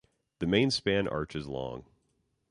The main span arch is long.